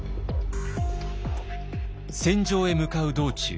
戦場へ向かう道中